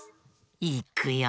いくよ！